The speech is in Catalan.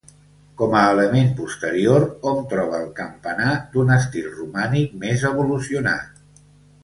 Com a element posterior, hom troba el campanar, d'un estil romànic més evolucionat.